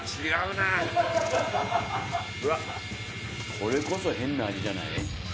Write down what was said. これこそ変な味じゃない？